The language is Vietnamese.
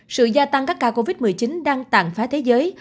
sự gia tăng các ca covid một mươi chín đang tàn phá thế giới